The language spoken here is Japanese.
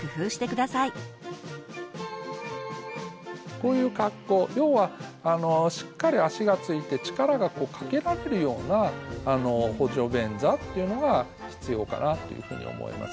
こういう格好要はしっかり足がついて力がかけられるような補助便座というのが必要かなというふうに思います。